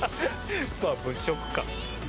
まあ物色か。